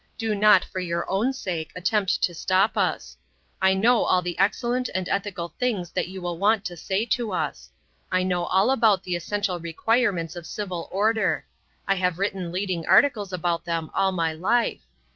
Do not, for your own sake, attempt to stop us. I know all the excellent and ethical things that you will want to say to us. I know all about the essential requirements of civil order: I have written leading articles about them all my life.